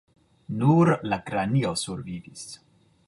Nur la kranio survivis.